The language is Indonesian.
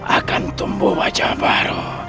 akan tumbuh wajah baru